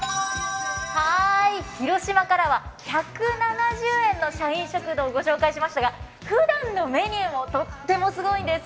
広島からは１７０円の社員食堂を御紹介しましたがふだんのメニューもとってもすごいんです。